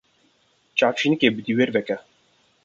Çavşînkê bi dîwêr veke.